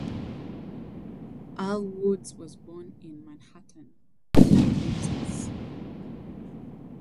Earl Woods was born in Manhattan, Kansas.